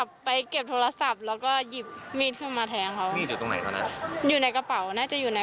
แกคงถามเฉยว่าถ่ายรูปทำไมไม่ได้รู้จักกันอะไรอย่างนี้